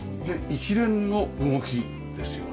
一連の動きですよね。